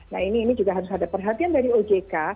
nah ini juga harus ada perhatian dari ojk